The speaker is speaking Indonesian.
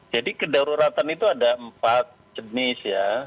jadi kedaruratan itu ada empat jenis